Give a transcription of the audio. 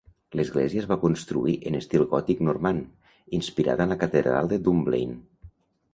L'església es va construir en estil gòtic normand, inspirada en la catedral de Dunblane.